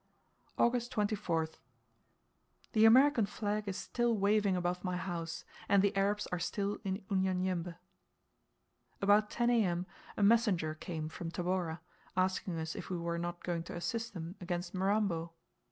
August 24th. The American flag is still waving above my house, and the Arabs are still in Unyanyembe. About 10 A.M., a messenger came from Tabora, asking us if we were not going to assist them against Mirambo.